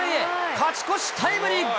勝ち越しタイムリー。